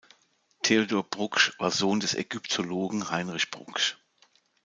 Theodor Brugsch war Sohn des Ägyptologen Heinrich Brugsch.